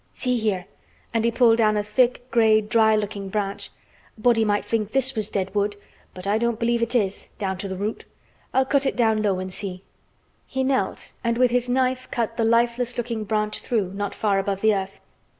See here!" and he pulled down a thick gray, dry looking branch. "A body might think this was dead wood, but I don't believe it is—down to th' root. I'll cut it low down an' see." He knelt and with his knife cut the lifeless looking branch through, not far above the earth.